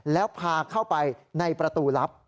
แล้วพาเข้าไปในประตูลับ